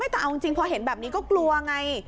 แต่เอาจริงพอเห็นแบบนี้ก็กลัวไง